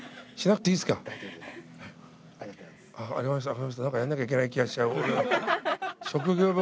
なんかやんなきゃいけない気がしちゃう。